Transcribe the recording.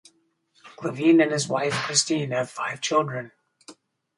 Glavine and his wife Christine have five children.